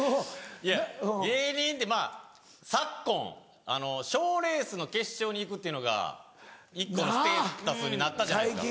いや芸人ってまぁ昨今賞レースの決勝に行くっていうのが１個のステータスになったじゃないですか。